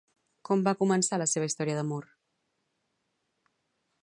Com va començar la seva història d'amor?